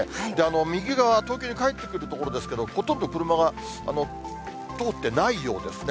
右側、東京に帰ってくるところですけれども、ほとんど車が通ってないようですね。